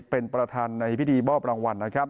เป็นประธานในพิธีมอบรางวัล